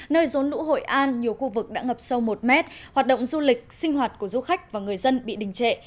nơi rốn lũ hội an nhiều khu vực đã ngập sâu một mét hoạt động du lịch sinh hoạt của du khách và người dân bị đình trệ